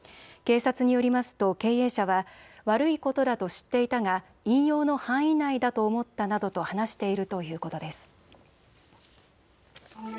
警察によりますと経営者は悪いことだと知っていたが引用の範囲内だと思ったなどと話しているということです。